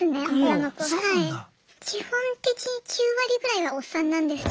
基本的に９割ぐらいはおっさんなんですけど。